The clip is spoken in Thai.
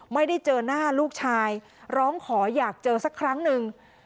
ไม่ได้เจอหน้าลูกชายร้องขออยากเจอสักครั้งหนึ่ง